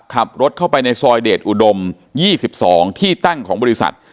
ขับรถเข้าไปในซอยเดชอุดม๒๒ที่ตั้งของบริษัท